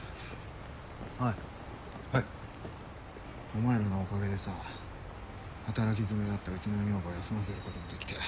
お前らのおかげでさ働きづめだったうちの女房休ませることができたよ。